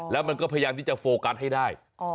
แล้วมันก็พยายามที่จะโฟกัสให้ได้